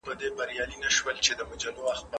پخوا ډېر لوړ او لوی ساختمانونه جوړ سول.